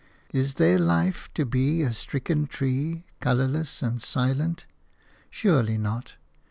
Is their life to be a stricken tree, colourless and silent? Surely not.